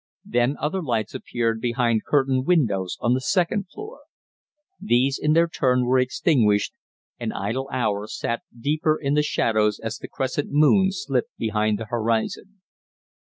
Then other lights appeared behind curtained windows on the second floor. These in their turn were extinguished, and Idle Hour sank deeper into the shadows as the crescent moon slipped behind the horizon.